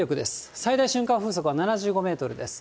最大瞬間風速は７５メートルです。